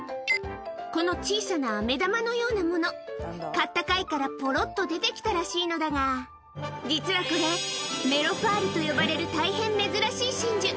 この小さなあめ玉のようなもの、買った貝からぽろっと出てきたらしいのだが、実はこれ、メロパールと呼ばれる大変珍しい真珠。